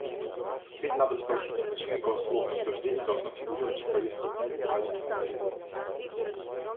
Теперь надо спросить, почему голословное утверждение должно фигурировать в повестке дня Генеральной Ассамблеи.